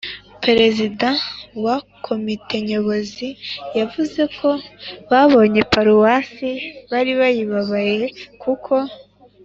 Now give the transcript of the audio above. prezida wa komite nyobozi yavuze ko babonye paruwasi bari bayibabaye kuko